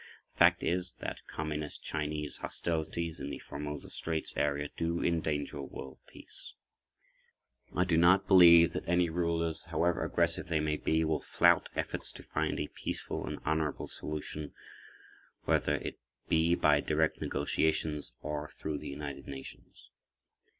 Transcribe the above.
The fact is that Communist Chinese hostilities in the Formosa Straits area do endanger world peace. I do not believe that any rulers, however aggressive they may be, will flout efforts to find a peaceful and honorable [pg 20]solution, whether it be by direct negotiations or through the United Nations.